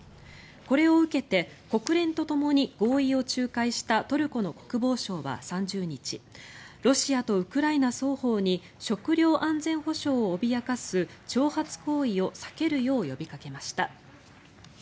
これを受けて国連とともに合意を仲介したトルコの国防省は３０日ロシアとウクライナ双方に食料安全保障を脅かす挑発行為を避けるよう呼びかけました。